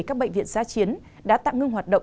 các bệnh viện gia chiến đã tạm ngưng hoạt động